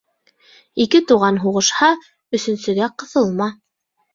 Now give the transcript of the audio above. Ике туған һуғышһа, өсөнсөгә ҡыҫылма.